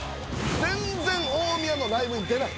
全然大宮のライブに出ない。